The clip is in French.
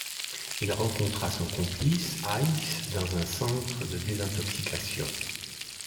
Il rencontra son complice Hayes dans un centre de désintoxication.